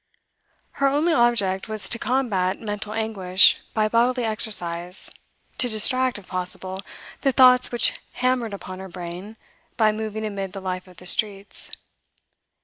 Her only object was to combat mental anguish by bodily exercise, to distract, if possible, the thoughts which hammered upon her brain by moving amid the life of the streets.